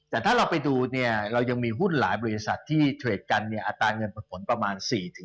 แต่ถ้าเราไปดูเนี่ยเรายังมีหุ้นหลายบริษัทที่เทรดกันเนี่ยอัตราเงินผลประมาณ๔๕